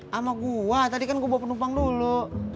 sama gua tadi kan gue bawa penumpang dulu